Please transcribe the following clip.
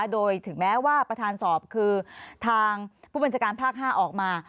โดยถึงแม้ว่าประธานสอบคือทางผู้บัญชาการภาค๕ออกมา